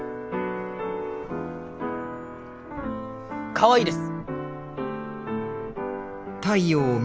かわいいです。